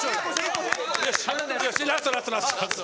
よしラストラストラスト！